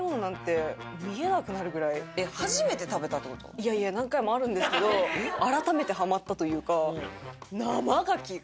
いやいや何回もあるんですけど改めてハマったというか。